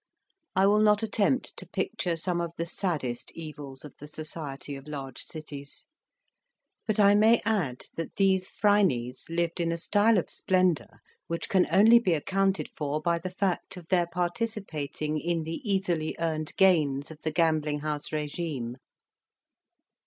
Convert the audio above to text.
I will not attempt to picture some of the saddest evils of the society of large cities; but I may add that these Phrynes lived in a style of splendour which can only be accounted for by the fact of their participating in the easily earned gains of the gambling house regime.